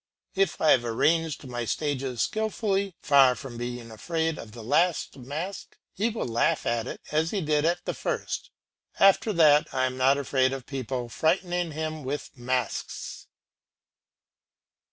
If I have arranged my stages skilfully, far from being afraid of the last mask, he will laugh at it as he did at the first. After that I am not afraid of people frightening him with masks.